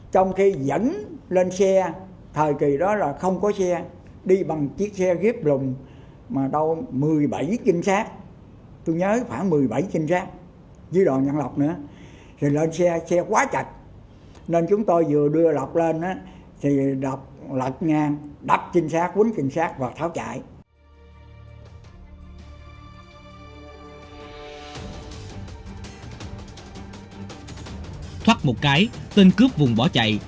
thoát một cái tên cướp vùng bỏ chạy